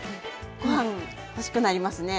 ご飯欲しくなりますね。